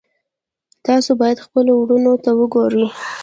تاسو باید خپلو وروڼو ته وګورئ.